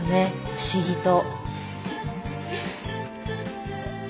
不思議と。